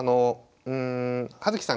葉月さん